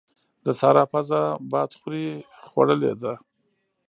د سارا پزه بادخورې خوړلې ده.